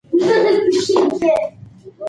ماشومان زموږ د ټولنې روښانه راتلونکی دی.